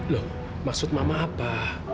loh maksud mama apa